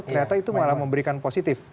ternyata itu malah memberikan positif